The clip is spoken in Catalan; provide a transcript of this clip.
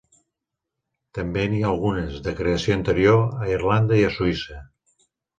També n'hi ha algunes, de creació anterior, a Irlanda i a Suïssa.